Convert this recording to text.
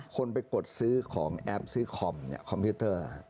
คนไปกดซื้อของแอปซื้อคอมเนี่ยคอมพิวเตอร์